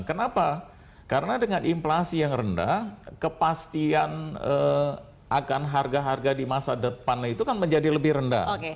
kenapa karena dengan inflasi yang rendah kepastian akan harga harga di masa depan itu kan menjadi lebih rendah